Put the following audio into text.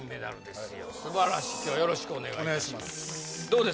すばらしい今日はよろしくお願いします